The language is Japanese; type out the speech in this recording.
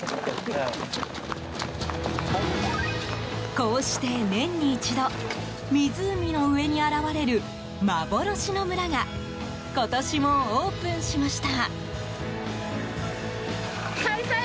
こうして年に一度湖の上に現れる幻の村が今年もオープンしました。